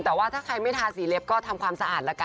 แต่ว่าถ้าใครไม่ทาสีเล็บก็ทำความสะอาดละกัน